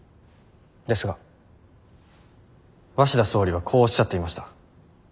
ですが鷲田総理はこうおっしゃっていました。